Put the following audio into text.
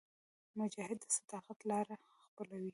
مجاهد د صداقت لاره خپلوي.